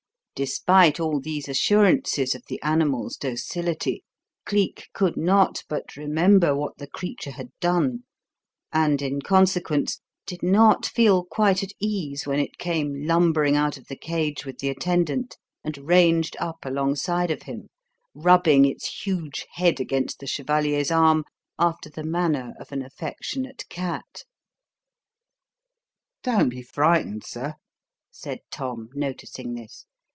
Despite all these assurances of the animal's docility, Cleek could not but remember what the creature had done, and, in consequence, did not feel quite at ease when it came lumbering out of the cage with the attendant and ranged up alongside of him, rubbing its huge head against the chevalier's arm after the manner of an affectionate cat. "Don't be frightened, sir," said Tom, noticing this.